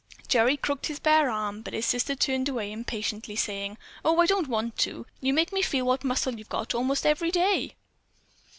Gerry crooked his bare arm, but his sister turned away impatiently, saying: "Oh, I don't want to! You make me feel what muscle you've got most every day."